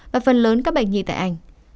và phần lớn các bệnh nhi tại anh